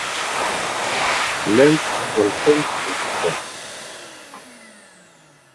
Llant ɣelqent tzewwa?